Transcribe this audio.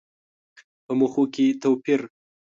په موخو کې توپير.